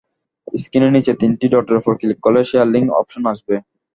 স্ক্রিনের নিচে তিনটি ডটের ওপর ক্লিক করলে শেয়ার লিংক অপশন আসবে।